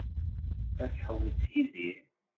Ad tḥewwes yid-i?